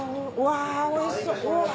おいしそう。